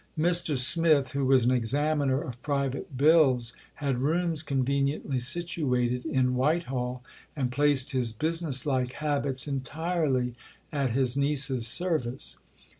Mr. Smith, who was an Examiner of Private Bills, had rooms conveniently situated in Whitehall, and placed his business like habits entirely at his niece's service.